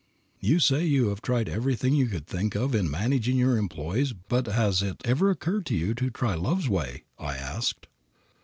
"You say you have tried everything you could think of in managing your employees, but has it ever occurred to you to try Love's way?" I asked.